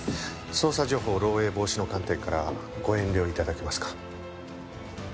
捜査情報漏洩防止の観点からご遠慮頂けますか。